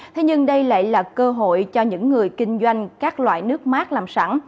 thế nhưng đây lại là cơ hội cho những người kinh doanh các loại nước mát làm sẵn